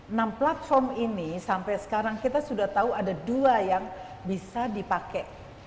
enam platform ini sampai sekarang kita sudah tahu ada dua yang bisa dipakai